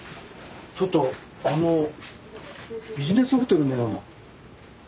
ちょっとあのビジネスホテルのような何かなかなか。